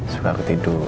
suka aku tidur